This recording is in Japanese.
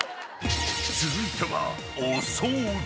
［続いては］